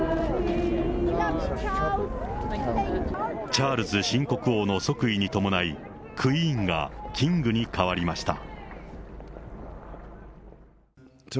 チャールズ新国王の即位に伴い、クイーンがキングに変わりました。